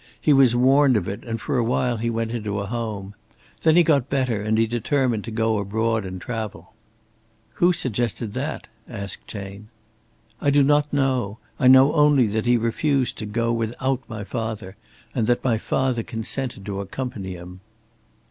He was warned of it, and for a while he went into a home. Then he got better, and he determined to go abroad and travel." "Who suggested that?" asked Chayne. "I do not know. I know only that he refused to go without my father, and that my father consented to accompany him."